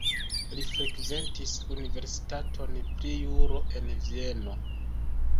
Li frekventis universitaton pri juro en Vieno.